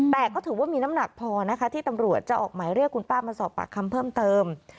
แต่ก็ถือว่ามีน้ำหนักพอนะคะที่ตำรวจจะออกหมายเรียกคุณป้ามาสอบปากคำเพิ่มเติม